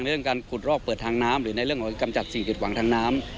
เรื่องการขุดลอกเปิดทางน้ำหรือในเรื่องของกำจัด๔จุดหวังทางน้ำ